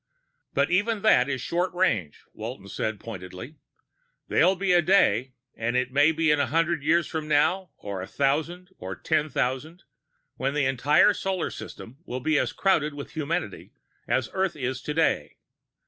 "But even that is short range," Walton said pointedly. "There'll be a day it may be a hundred years from now, or a thousand, or ten thousand when the entire solar system will be as crowded with humanity as Earth is today.